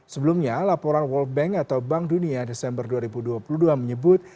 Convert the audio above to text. sebelumnya laporan world bank atau bank dunia desember dua ribu dua puluh dua menyebut